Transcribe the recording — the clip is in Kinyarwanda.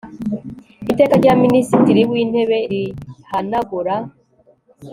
Iteka rya Minisitiri w Intebe rihanagura